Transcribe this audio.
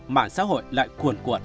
mạng xã hội lại cuộn cuộn